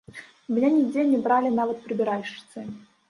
І мяне нідзе не бралі нават прыбіральшчыцай.